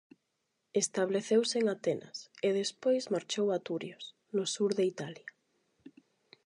Estableceuse en Atenas e despois marchou a Turios, no sur de Italia.